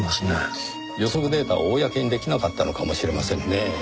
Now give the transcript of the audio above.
予測データを公に出来なかったのかもしれませんねぇ。